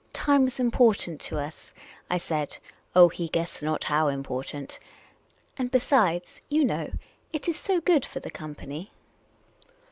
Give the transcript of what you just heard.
" Time was important to us," I said — oh, he guessed not how important ;" and besides, you know, it is so good for the company